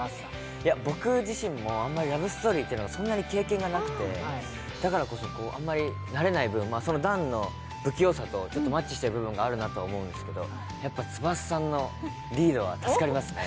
僕自身もあまりラブストーリーというのがそんなに経験がなくて、だからこそ、あんまり慣れない分、弾の不器用さとちょっとマッチしている部分があるなと思うんですけど、やっぱ翼さんのリードは助かりますね。